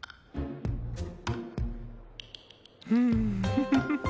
フフフフ。